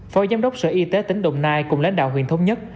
phó giám đốc sở y tế tỉnh đồng nai cùng lãnh đạo huyện thống nhất